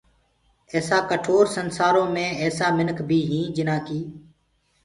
ايسآ ڪٺور سنسآرو ايسآ مِنک بي هيٚنٚ جنآ ڪي